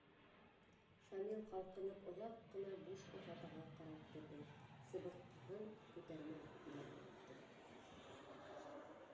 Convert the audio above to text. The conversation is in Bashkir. Шамил ҡалҡынып оҙаҡ ҡына буш ихатаға ҡарап торҙо, сыбыртҡыһын күтәрмә аҫтына ырғытты.